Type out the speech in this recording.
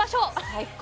最高。